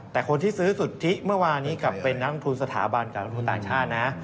แต่คนที่ซื้อสุทธิเมื่อวานนี้กลับเป็นนักลงทุนสถาบันการลงทุนต่างชาตินะ